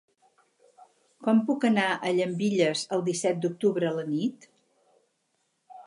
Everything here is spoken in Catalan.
Com puc anar a Llambilles el disset d'octubre a la nit?